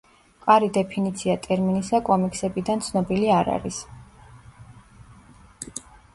მყარი დეფინიცია ტერმინისა კომიქსებიდან ცნობილი არ არის.